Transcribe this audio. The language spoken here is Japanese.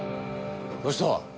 どうした？